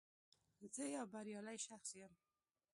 زه یو بریالی شخص یم